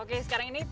oke sekarang ini tipe